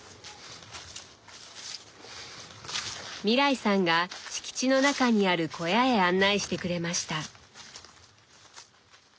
未來さんが敷地の中にある小屋へ案内してくれました。